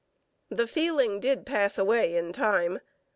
The feeling did pass away in time.